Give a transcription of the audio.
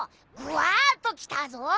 ぐわっときたぞ。